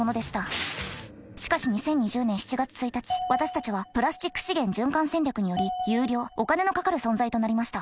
しかし２０２０年７月１日私たちはプラスチック資源循環戦略により有料お金のかかる存在となりました。